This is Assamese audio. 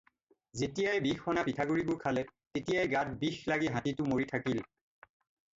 যেতিয়াই বিহ-সনা পিঠাগুড়িবোৰ খালে তেতিয়াই গাত বিষ লাগি হাতীটো মৰি থাকিল।